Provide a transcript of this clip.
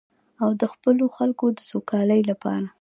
او د خپلو خلکو د سوکالۍ لپاره.